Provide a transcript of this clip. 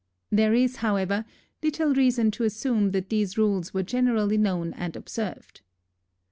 There is, however, little reason to assume that these rules were generally known and observed.